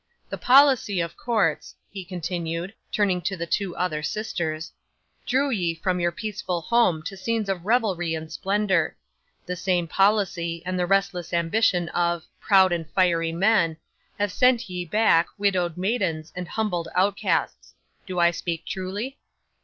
'"The policy of courts," he continued, turning to the two other sisters, "drew ye from your peaceful home to scenes of revelry and splendour. The same policy, and the restless ambition of proud and fiery men, have sent ye back, widowed maidens, and humbled outcasts. Do I speak truly?"